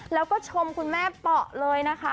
แล้วก็ชมคุณแม่เปาะเลยนะคะ